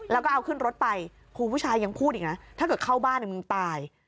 แล้วก็เอาขึ้นรถไปครูผู้ชายยังพูดอีกนะถ้าเกิดเข้าบ้านมึงตาย